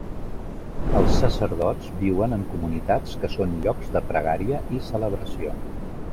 Els sacerdots viuen en comunitats que són llocs de pregària i celebració.